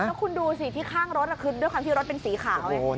แล้วคุณดูสิที่ข้างรถคือด้วยความที่รถเป็นสีขาวไง